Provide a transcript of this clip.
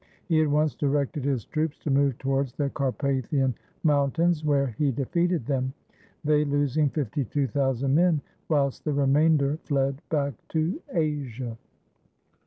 He at once directed his troops to move towards the Carpathian Mountains, where he defeated them, they losing 52,000 men, whilst the remainder fled back to Asia.